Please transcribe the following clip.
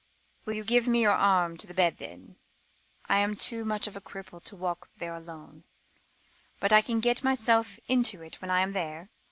"Will you give me your arm to the bed then? I am too much of a cripple to walk there alone, but I can get myself into it when I am there.